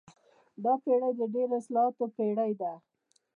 دا پېړۍ د ډېرو اصطلاحاتو پېړۍ ده.